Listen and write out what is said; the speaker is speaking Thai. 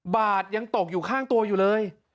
บาทยังตกอยู่ข้างตัวอยู่เลย